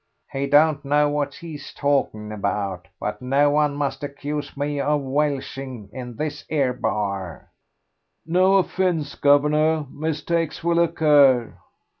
"He don't know what he's talking about; but no one must accuse me of welshing in this 'ere bar." "No offence, guv'nor; mistakes will occur."